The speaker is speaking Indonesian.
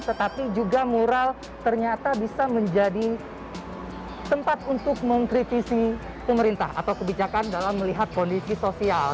tetapi juga mural ternyata bisa menjadi tempat untuk mengkritisi pemerintah atau kebijakan dalam melihat kondisi sosial